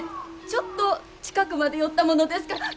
ちょっと近くまで寄ったものですから。